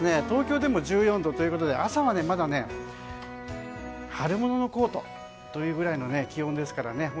東京でも１４度ということで朝はまだ春物のコートぐらいの気温ですからね